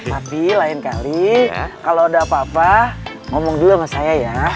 tapi lain kali kalau udah apa apa ngomong dulu sama saya ya